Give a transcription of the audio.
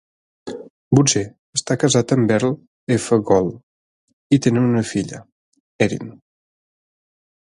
Burger està casat amb Earl F. Gohl i tenen una filla, Erin.